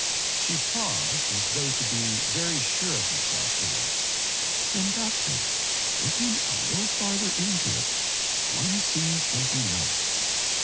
She paused, as though to be very sure of herself here. "Then, doctor, looking a little farther into it, one sees something else.